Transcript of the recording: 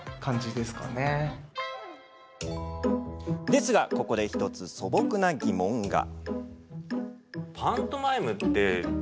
ですが、ここで１つ素朴な疑問が。